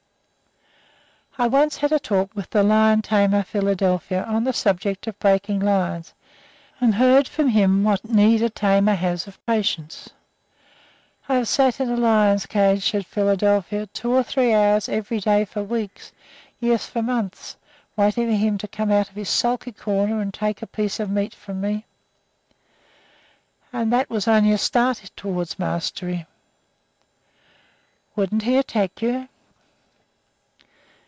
I once had a talk with the lion tamer Philadelphia on the subject of breaking lions, and heard from him what need a tamer has of patience. "I have sat in a lion's cage," said Philadelphia, "two or three hours every day for weeks, yes, for months, waiting for him to come out of his sulky corner and take a piece of meat from me. And that was only a start toward the mastery." "Wouldn't he attack you?"